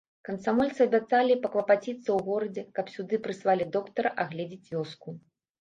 Камсамольцы абяцалі паклапаціцца ў горадзе, каб сюды прыслалі доктара агледзець вёску.